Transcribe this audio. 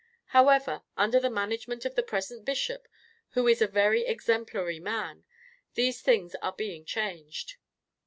However, under the management of the present bishop, who is a very exemplary man, these things are being changed.